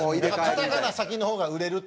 カタカナ先の方が売れると。